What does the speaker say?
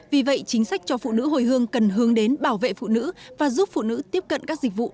vì vậy chính sách cho phụ nữ hồi hương cần hướng đến bảo vệ phụ nữ và giúp phụ nữ tiếp cận các dịch vụ